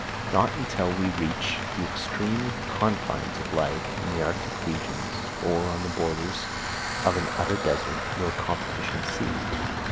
Not until we reach the extreme confines of life, in the Arctic regions or on the borders of an utter desert, will competition cease.